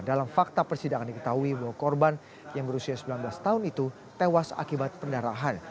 dalam fakta persidangan diketahui bahwa korban yang berusia sembilan belas tahun itu tewas akibat pendarahan